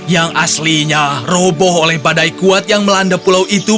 yang aslinya roboh oleh badai kuat yang melanda pulau itu